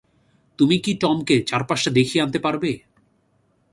তুমি কি টমকে চারপাশটা দেখিয়ে আনতে পারবে?